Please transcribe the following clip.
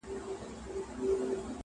یو پاچاوو د فقیر پر لور مین سو.!